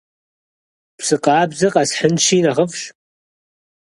Псы къабзэ къэсхьынщи нэхъыфӀщ.